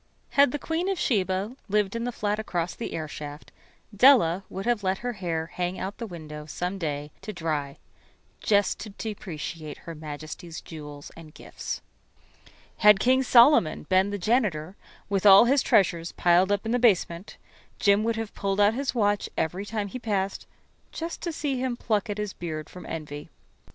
Had the Queen of Sheba[13 1] lived in the flat across the airshaft, Della would have let her hair hang out the window some day to dry just to depreciate Her Majesty's jewels and gifts. Had King Solomon been the janitor, with all his treasures piled up in the basement, Jim would have pulled out his watch every time he passed, just to see him pluck at his beard from envy.